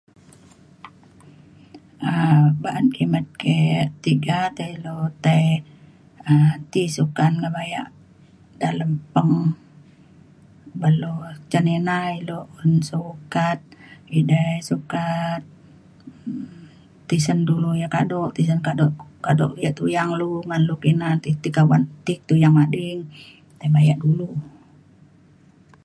um baan kimet ke tiga te ilu tei um ti sukan baya' dalem peng uban lu cen ina ilu sukat idei sukat um tisen dulu ya' kadu' kadu' ya tuyang ulu man lu kina ti kawan ti tuyang mading tai bayan ulu.